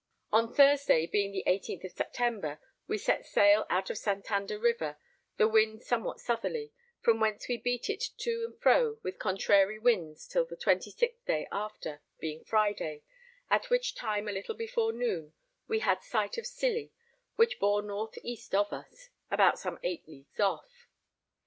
On Thursday, being the 18th day of September, we set sail out of Santander River, the wind somewhat southerly, from whence we beat it to and fro with contrary winds till the 26th day after, being Friday, at which time a little before noon we had sight of Scilly, which bore north east of us, about some 8 leagues off.